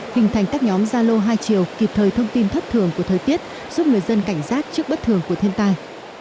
hình thành các nhóm gia lô hai chiều kịp thời thông tin thất thường của thời tiết giúp người dân cảnh giác trước bất thường của thiên tai